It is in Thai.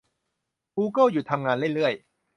กูเกิลหยุดทำงานเรื่อยเรื่อย